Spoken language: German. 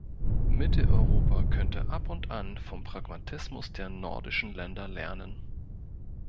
Mitteleuropa könnte ab und an vom Pragmatismus der nordischen Länder lernen.